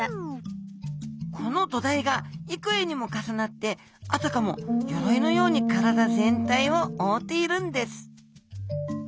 この土台がいくえにも重なってあたかも鎧のように体全体を覆っているんです